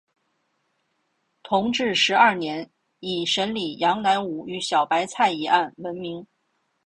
同治十二年以审理杨乃武与小白菜一案闻名。